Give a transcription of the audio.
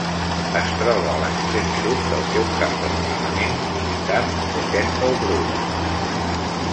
Es troba a l'extrem sud del seu camp d'entrenament militar de Temple Bruer.